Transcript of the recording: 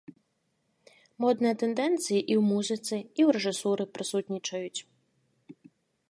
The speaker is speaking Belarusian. Модныя тэндэнцыі і ў музыцы, і ў рэжысуры прысутнічаюць.